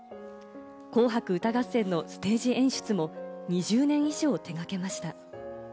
『紅白歌合戦』のステージ演出も２０年以上、手がけました。